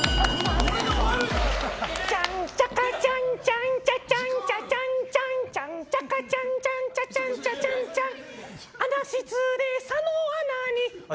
チャンチャカチャンチャンチャチャンチャチャンチャンチャンチャカチャンチャンチャチャンチャチャンチャン。